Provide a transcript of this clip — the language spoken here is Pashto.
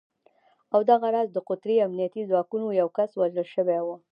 او دغه راز د قطري امنیتي ځواکونو یو کس وژل شوی و